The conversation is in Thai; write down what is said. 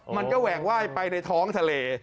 มันก็แหวกว่ายไปในท้องทะเล